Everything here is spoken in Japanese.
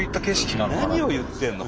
何を言ってるの？